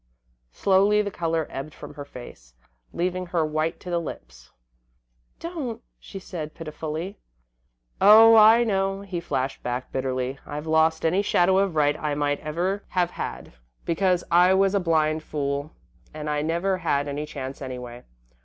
Slowly the colour ebbed from her face, leaving her white to the lips. "Don't," she said, pitifully. "Oh, I know," he flashed back, bitterly. "I've lost any shadow of right I might ever have had, because I was a blind fool, and I never had any chance anyway.